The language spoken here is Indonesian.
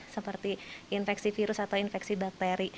seperti infeksi virus atau infeksi bakteri